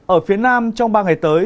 ở phía nam trong ba ngày tới